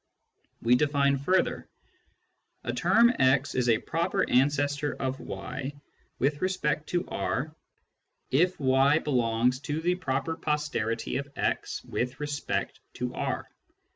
We define further : A term x is a " proper ancestor " of y with respect to R if y belongs to the proper posterity of x with respect to R.